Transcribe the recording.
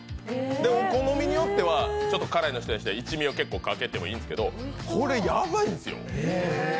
お好みによっては、ちょっと辛いの好きな人は一味を結構かけてもいいんですけど、これヤバいんですよ。